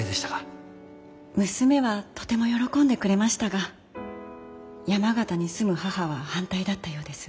娘はとても喜んでくれましたが山形に住む母は反対だったようです。